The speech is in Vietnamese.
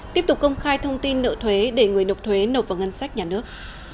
tiếp tục công khai thông tin nợ thuế để người nộp thuế nộp vào ngân sách nhà nước